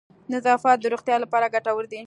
نظافت د روغتیا لپاره گټور دی.